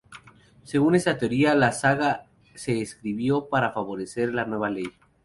Según esta teoría, la saga se escribió para favorecer la nueva ley.